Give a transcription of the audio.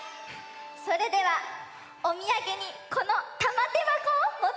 それではおみやげにこのたまてばこをもっていきなさい。